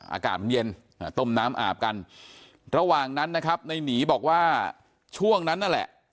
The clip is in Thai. อากาศมันเย็นต้มน้ำอาบกันระหว่างนั้นนะครับในหนีบอกว่าช่วงนั้นนั่นแหละ